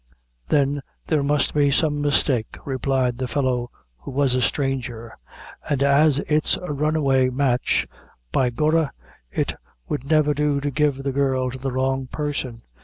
"Then there must be some mistake," replied the fellow, who was a stranger; "and as it's a runaway match, by gorra, it would never do to give the girl to the wrong person.